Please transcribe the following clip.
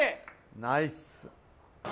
ナイス！